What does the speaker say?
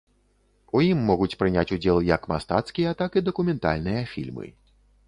У ім могуць прыняць удзел як мастацкія, так і дакументальныя фільмы.